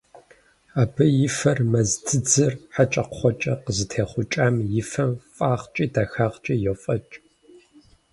Абы и фэр мэз дзыдзэр хьэкӀэкхъуэкӀэ къызытехъукӀам и фэм фӀагъкӀи дахагъкӀи йофӀэкӀ.